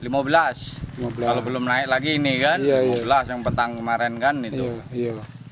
kalau belum naik lagi ini kan rp lima belas yang petang kemarin kan itu